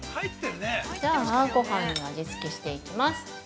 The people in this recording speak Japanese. じゃあ、ごはんに味つけしていきます。